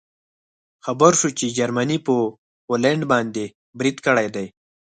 خبر شوو چې جرمني په پولنډ باندې برید کړی دی